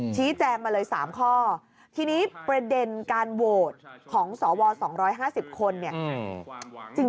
ชี้แจงมาเลย๓ข้อทีนี้ประเด็นการโหวตของสว๒๕๐คนเนี่ย